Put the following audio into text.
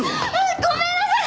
ごめんなさい！